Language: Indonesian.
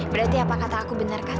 berarti apa kata aku benarkan